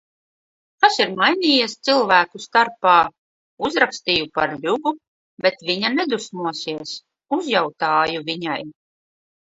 Kas ir mainījies cilvēku starpā? Uzrakstīju par Ļubu, bet viņa nedusmosies. Uzjautāju viņai.